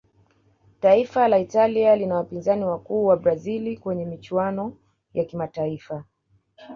taifa la italia ni wapinzani wakuu wa brazil kwenye michuano ya kimataifa